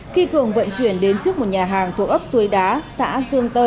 khi cường vận chuyển đến trước một nhà hàng thuộc ấp xuế đá xã dương tơ